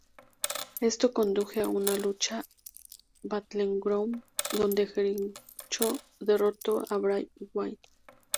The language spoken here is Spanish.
Esto condujo a una lucha en "Battleground", donde Jericho derrotó a Bray Wyatt.